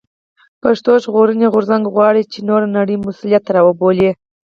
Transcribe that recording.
پښتون ژغورني غورځنګ غواړي چې نوره نړۍ مسؤليت ته راوبولي.